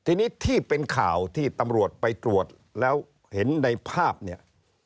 ทีนี้ที่เป็นข่าวที่ตำรวจไปตรวจแล้วเห็นในภาพเนี่ย